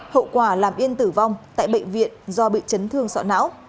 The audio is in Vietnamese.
hậu quả làm yên tử vong tại bệnh viện do bị chấn thương sọ não